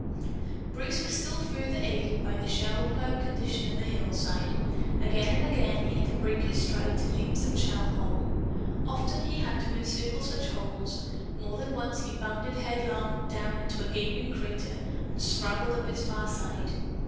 Bruce was still further aided by the shell plowed condition of the hillside. Again and again he had to break his stride, to leap some shell hole. Often he had to encircle such holes. More than once he bounded headlong down into a gaping crater and scrambled up its far side.